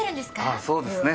ああそうですね。